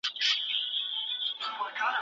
د کپسول څخه د راښکته کېدو پرمهال مرسته وشوه.